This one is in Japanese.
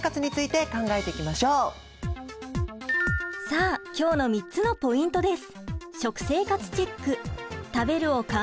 さあ今日の３つのポイントです。